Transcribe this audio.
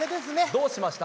どうしました？